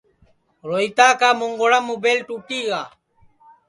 روہیتا کا مونٚگوڑا مُبیل ٹُوٹی گا